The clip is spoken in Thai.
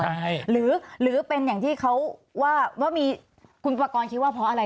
ธนายวรรกรหรือเป็นอย่างที่เขาว่าคุณปรากรคิดว่าเพราะอะไร